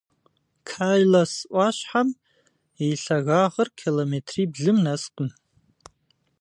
Кайлас ӏуащхьэм и лъагагъыр километриблым нэскъым.